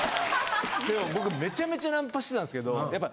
僕めちゃめちゃナンパしてたんすけどやっぱ。